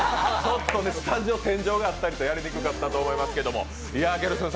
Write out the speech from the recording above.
スタジオは天井があったりと、やりにくかったと思いますけど。